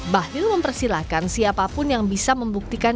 bahlil mempersilahkan siapapun yang bisa membuktikan